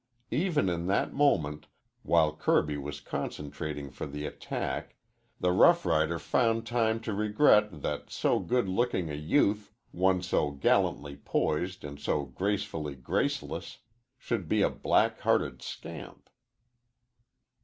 Even in that moment, while Kirby was concentrating for the attack, the rough rider found time to regret that so good looking a youth, one so gallantly poised and so gracefully graceless, should be a black hearted scamp.